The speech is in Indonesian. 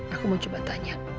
aku mau coba tanya